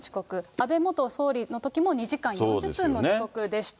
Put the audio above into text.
安倍元総理のときも２時間４０分の遅刻でした。